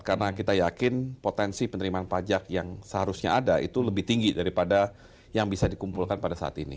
dan kita yakin potensi penerimaan pajak yang seharusnya ada itu lebih tinggi daripada yang bisa dikumpulkan pada saat ini